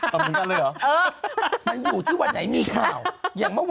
เหมือนกันเลยเหรอ